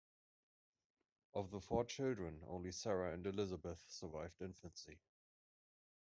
Of the four children, only Sarah and Elizabeth survived infancy.